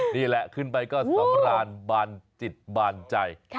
นี่แหละขึ้นไปก็สำราญบานจิตบานใจ